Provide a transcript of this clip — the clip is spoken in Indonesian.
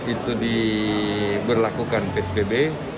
itu diberlakukan psbb